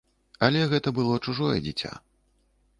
Але гэта было чужое дзіця.